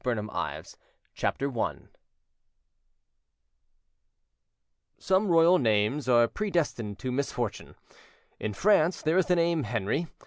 *MARY STUART—1587* CHAPTER I Some royal names are predestined to misfortune: in France, there is the name "Henry".